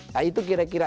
nah itu kira kira